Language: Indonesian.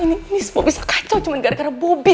ini semua bisa kacau cuman gara gara bobby